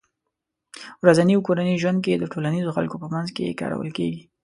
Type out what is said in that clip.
ورځني او کورني ژوند کې د ټولنيزو خلکو په منځ کې کارول کېږي